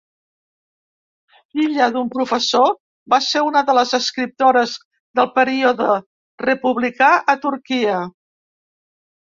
Filla d'un professor, va ser una de les escriptores del període republicà a Turquia.